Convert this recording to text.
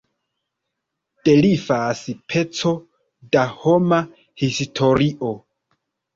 Defilas peco da homa historio.